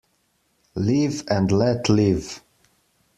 Live and let live.